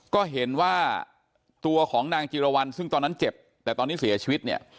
ก็เห็นว่าตัวของนางจิรวรรณซึ่งตอนนั้นเจ็บแต่ตอนนี้เสียชีวิตเนี่ย